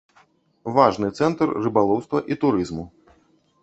Важны цэнтр рыбалоўства і турызму.